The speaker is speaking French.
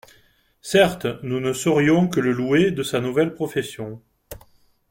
Certes, nous ne saurions que le louer de sa nouvelle profession.